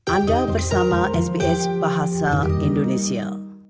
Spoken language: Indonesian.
anda bersama sbs bahasa indonesia